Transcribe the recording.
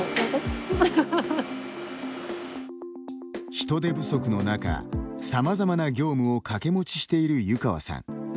人手不足の中、さまざまな業務を掛け持ちしている湯川さん。